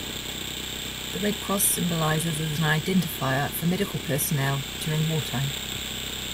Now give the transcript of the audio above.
The red cross symbolizes as an identifier for medical personnel during wartime.